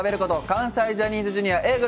関西ジャニーズＪｒ．Ａぇ！